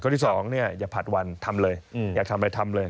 ข้อที่๒อย่าผัดวันทำเลยอยากทำอะไรทำเลย